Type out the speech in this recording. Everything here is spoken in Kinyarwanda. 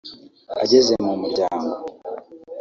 Ageze mu muryango